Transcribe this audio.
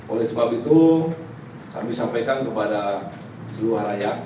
oleh sebab itu kami sampaikan kepada seluruh halayak